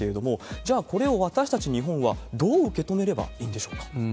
じゃあ、これを私たち日本はどう受け止めればいいんでしょうか？